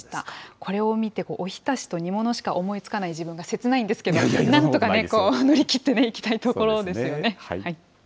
これを見ておひたしと煮物しか思いつかない自分が切ないんですけど、なんとかね、乗り切っていきたいところですよね。